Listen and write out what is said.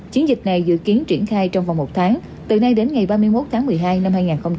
chiến dịch này dự kiến triển khai trong vòng một tháng từ nay đến ngày ba mươi một tháng một mươi hai năm hai nghìn hai mươi